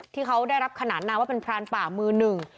ที่เขาได้รับขนานนามว่าเป็นพรานป่ามือหนึ่ง